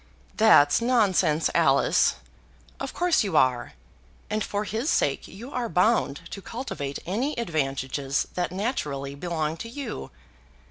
"That's nonsense, Alice. Of course you are; and for his sake you are bound to cultivate any advantages that naturally belong to you.